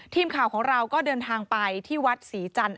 ทีมข่าวของเราก็เดินทางไปที่วัดศรีจันทร์